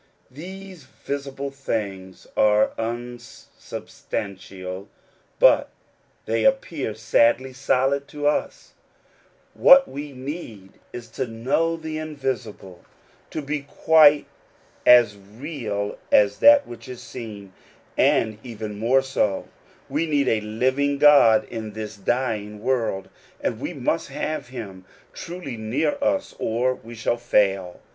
These visible things are unsubstantial, but they appear sadly solid to us : what we need is to know the invisible The Peculiar Treasure of Believers. 57 tr o be quite as real as that which is seen, and even CTnore so. We need a living God in this dying orld, and we must have him truly near us, or shall fail.